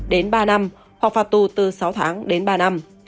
đến ba năm hoặc phạt tù từ sáu tháng đến ba năm